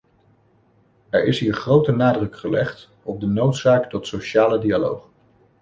Er is hier grote nadruk gelegd op de noodzaak tot sociale dialoog.